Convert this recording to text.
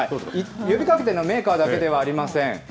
呼びかけているのはメーカーだけではありません。